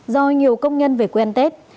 do nhiều công nhân về quen tết